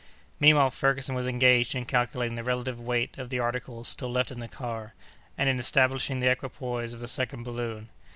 Meanwhile Ferguson was engaged in calculating the relative weight of the articles still left in the car, and in establishing the equipoise of the second balloon.